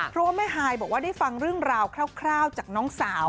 เพราะว่าแม่ฮายบอกว่าได้ฟังเรื่องราวคร่าวจากน้องสาว